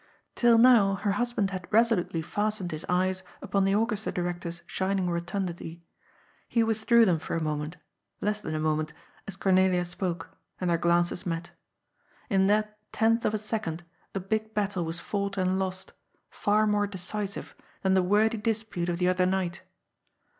Till now her husband had resolutely fastened his eyes upon the orchestra director's shining rotundity. He with drew them for a moment — less than a moment — as Cornelia spoke ; and their glances met. In that tenth of a second a big battle was fought and lost, far more decisive than the wordy dispute of the other night.